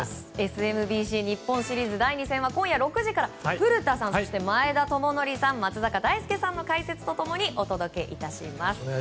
ＳＭＢＣ日本シリーズ第２戦は今夜６時から古田さん、前田智徳さん松坂大輔さんの解説と共にお届けします。